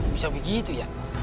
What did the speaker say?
bisa begitu ya